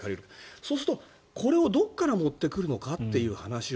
そうすると、それをどこから持ってくるのかと。